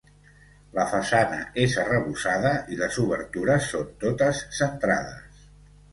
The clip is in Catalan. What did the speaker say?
La façana és arrebossada i les obertures són totes centrades.